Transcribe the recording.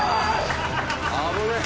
危ねえ。